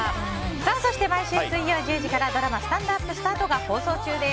そして、毎週水曜１０時からドラマ「スタンドＵＰスタート」が放送中です。